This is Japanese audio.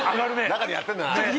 中でやってんだなって。